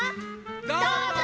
どうぞ！